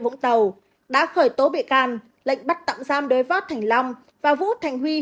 vũng tàu đã khởi tố bị can lệnh bắt tạm giam đối với thành long và vũ thành huy